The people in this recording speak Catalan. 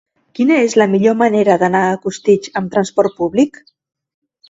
Quina és la millor manera d'anar a Costitx amb transport públic?